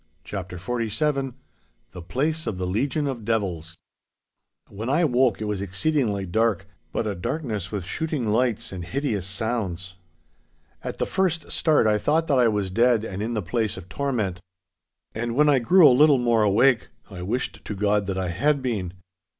*CHAPTER XLVII* *THE PLACE OF THE LEGION OF DEVILS* When I woke it was exceedingly dark, but a darkness with shooting lights and hideous sounds. At the first start I thought that I was dead and in the place of torment. And when I grew a little more awake, I wished to God that I had been.